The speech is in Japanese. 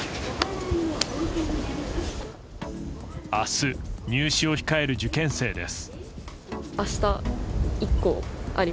明日、入試を控える受験生です。